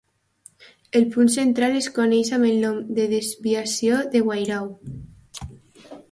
El punt central es coneix amb el nom de desviació de Wairau.